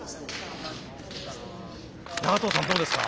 長藤さんどうですか。